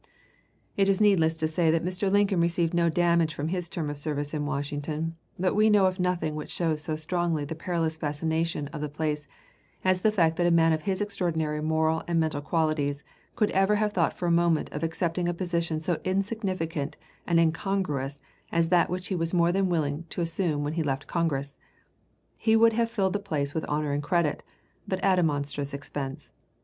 It is needless to say that Mr. Lincoln received no damage from his term of service in Washington, but we know of nothing which shows so strongly the perilous fascination of the place as the fact that a man of his extraordinary moral and mental qualities could ever have thought for a moment of accepting a position so insignificant and incongruous as that which he was more than willing to assume when he left Congress. He would have filled the place with honor and credit but at a monstrous expense.